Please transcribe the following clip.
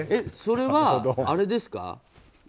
それは、あれですか？